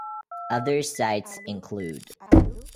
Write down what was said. "Other sights include:"